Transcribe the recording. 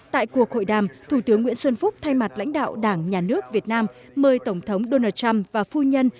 tại cuộc hội đàm thủ tướng nguyễn xuân phúc thay mặt lãnh đạo đảng nhà nước việt nam mời tổng thống donald trump và phu nhân